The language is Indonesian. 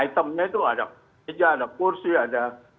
itemnya itu ada keja ada porsi ada